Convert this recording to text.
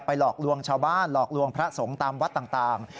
หลอกลวงชาวบ้านหลอกลวงพระสงฆ์ตามวัดต่าง